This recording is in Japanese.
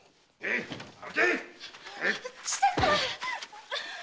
千世さん！